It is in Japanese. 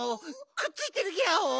くっついてるギャオ。